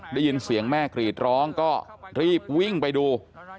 ได้ยินเสียงแม่กรีดร้องก็รีบวิ่งไปดู